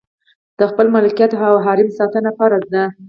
د خپل ملکیت او حریم ساتنه فرض ده.